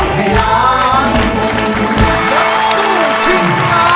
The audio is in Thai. นักสู้ชิ้นร้าง